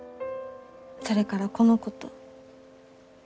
それからこの子と。